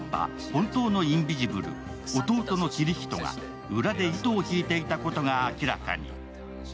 本当のインビジブル、弟のキリヒトが裏で糸を引いていたことが明らかに。